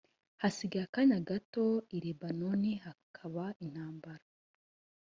hasigaye akanya gato i lebanoni hakaba intambara